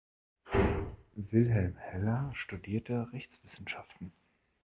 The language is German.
Wilhelm Heller studierte Rechtswissenschaften.